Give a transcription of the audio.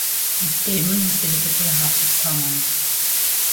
The statement was delivered to the House of Commons.